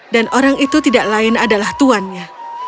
dan orang itu tidak lain adalah tuannya